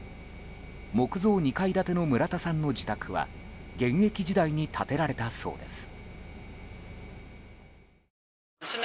木造２階建ての村田さんの自宅は現役時代に建てられたそうです。